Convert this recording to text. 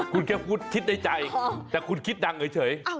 คุณแค่พูดคิดในใจแต่คุณคิดดังเฉย